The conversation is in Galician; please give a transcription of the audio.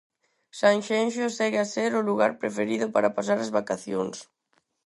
Sanxenxo segue a ser o lugar preferido para pasar as vacacións.